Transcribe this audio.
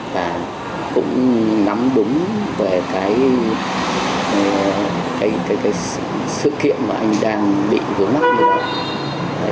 và cũng nắm đúng về cái sự kiện mà anh đang bị vừa mắc vừa